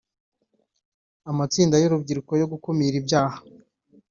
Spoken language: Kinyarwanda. amatsinda y’ urubyiruko yo gukumira ibyaha